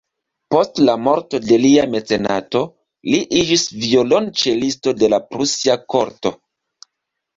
Post la morto de lia mecenato, li iĝis violonĉelisto de la prusia korto.